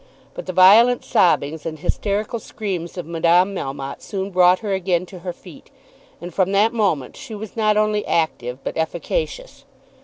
But the violent sobbings and hysterical screams of Madame Melmotte soon brought her again to her feet, and from that moment she was not only active but efficacious.